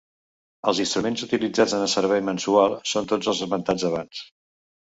Els instruments utilitzats en el servei mensual són tots els esmentats abans.